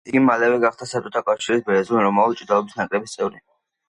იგი მალევე გახდა საბჭოთა კავშირის ბერძნულ-რომაული ჭიდაობის ნაკრების წევრი.